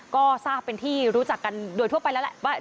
ก็ทราบเป็นที่รู้จักกันโดยทั่วไปแล้วแหละว่า